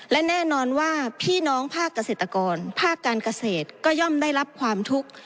และแน่นอนว่าพี่น้องภาคเกษตรกรภาคการเกษตรก็ย่อมได้รับความทุกข์